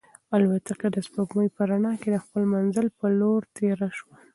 الوتکه د سپوږمۍ په رڼا کې د خپل منزل په لور تېره شوه.